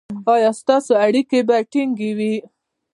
ایا ستاسو اړیکې به ټینګې وي؟